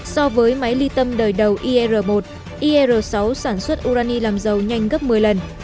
so với máy ly tâm đời đầu ir một ir sáu sản xuất urani làm dầu nhanh gấp một mươi lần